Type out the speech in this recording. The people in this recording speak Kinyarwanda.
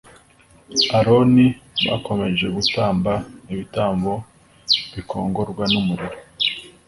aroni bakomeje gutamba ibitambo bikongorwa n umuriro